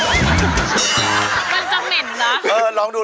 มันจะหมื่นนะโอเคลองดู